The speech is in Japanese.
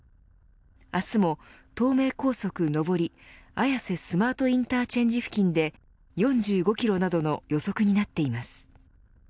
明日も、東名高速上り綾瀬スマートインターチェンジ付近で４５キロなどの予測になっています。